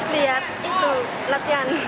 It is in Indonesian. lihat itu latihan